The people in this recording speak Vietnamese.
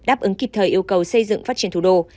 đáp ứng kịp thời yêu cầu xây dựng phát triển thủ đô